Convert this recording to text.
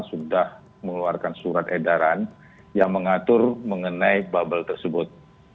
sudah mengeluarkan surat edaran yang mengatur mengenai bubble tersebut